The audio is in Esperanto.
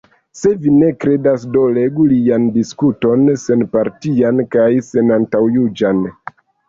Se vi ne kredas, do legu lian diskuton senpartian kaj senantaŭjuĝan.